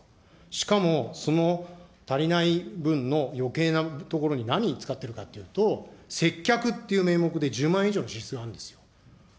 しかもその足りない分の、よけいなところに何に使っているかというと、接客という名目で実質１０万円以上の支出があるんですよ。